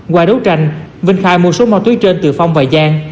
qua đấu tranh vinh khai mua số ma túy trên từ phong và giang